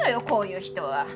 こういう人は。